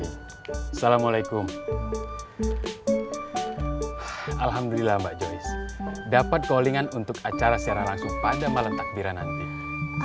assalamualaikum alhamdulillah mbak joyce dapat polingan untuk acara secara langsung pada malam takbiran nanti